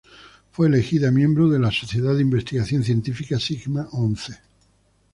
Fue elegida miembro de sociedad de investigación científica Sigma Xi.